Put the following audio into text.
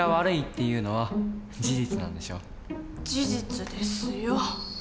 事実ですよ。